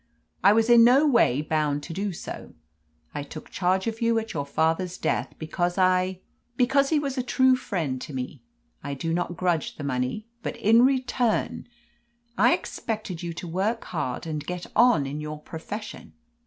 I was in no way bound to do so. I took charge of you at your father's death because I because he was a true friend to me. I do not grudge the money, but in return I expected you to work hard and get on in your profession."